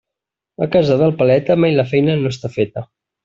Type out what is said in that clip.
A casa del paleta mai la feina no està feta.